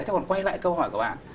thế còn quay lại câu hỏi của bạn